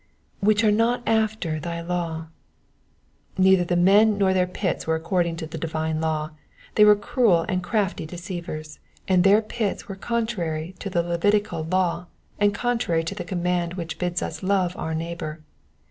^^ Which are not after thy law^ Neither the men nor their pits were according to the divine law : they were cruel and crafty deceivers, and their pits were con trary to the Levitical law, and contrary to the command which bids us love our neighbour.